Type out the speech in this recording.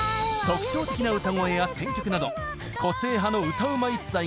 特徴的な歌声や選曲など個性派の歌うま逸材が多く参加。